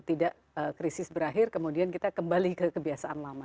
tidak krisis berakhir kemudian kita kembali ke kebiasaan lama